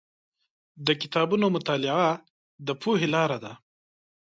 د کتابونو مطالعه د پوهې لاره ده.